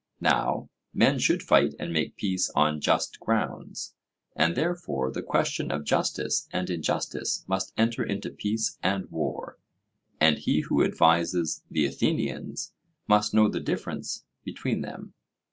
Now, men should fight and make peace on just grounds, and therefore the question of justice and injustice must enter into peace and war; and he who advises the Athenians must know the difference between them.